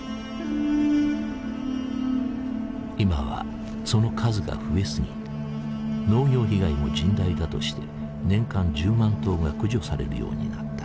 今はその数が増え過ぎ農業被害も甚大だとして年間１０万頭が駆除されるようになった。